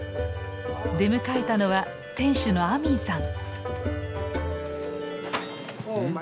出迎えたのは店主のアミンさん。